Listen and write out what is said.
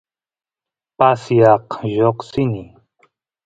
pasiaq lloqsini